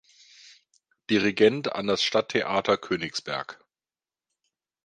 Dirigent an das Stadttheater Königsberg.